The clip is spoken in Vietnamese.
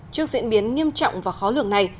trước diễn biến nghiêm trọng và khó lường này